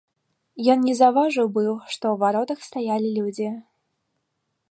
Ён не заўважыў быў, што ў варотах стаялі людзі.